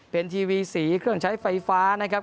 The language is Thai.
เป็นทีวีสีเครื่องใช้ไฟฟ้านะครับ